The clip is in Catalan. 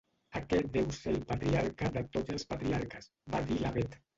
Aquest deu ser el patriarca de tots els patriarques —va dir la Bet.